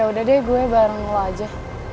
yaudah deh gue bareng lo aja